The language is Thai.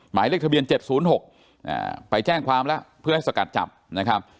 หมายเลขทะเบียนเจ็ดศูนย์หกอ่าไปแจ้งความแล้วเพื่อให้สกัดจับนะครับ